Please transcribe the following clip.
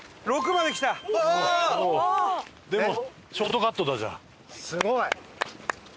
ショートカットだじゃあ。